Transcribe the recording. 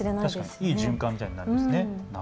確かに、いい循環みたいになりますね。